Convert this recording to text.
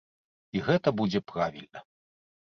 І гэта будзе правільна.